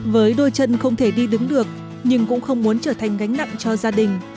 với đôi chân không thể đi đứng được nhưng cũng không muốn trở thành gánh nặng cho gia đình